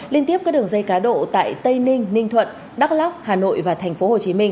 liên tiếp các đường dây cá độ tại tây ninh ninh thuận đắk lóc hà nội và tp hcm